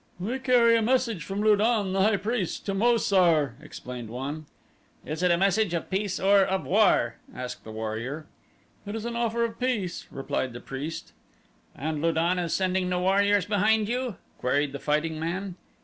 "We carry a message from Lu don, the high priest, to Mo sar," explained one. "Is it a message of peace or of war?" asked the warrior. "It is an offer of peace," replied the priest. "And Lu don is sending no warriors behind you?" queried the fighting man.